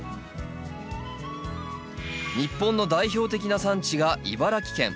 日本の代表的な産地が茨城県。